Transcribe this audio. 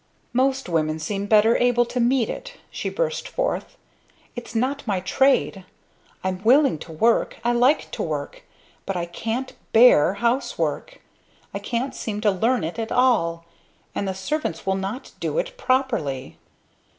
"Most women seem better able to meet it!" she burst forth. "It's not my trade! I'm willing to work, I like to work, but I can't bear housework! I can't seem to learn it at all! And the servants will not do it properly!"